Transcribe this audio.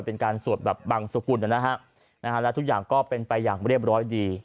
เป็นการสวดแบบบังสุกุลนะฮะและทุกอย่างก็เป็นไปอย่างเรียบร้อยดี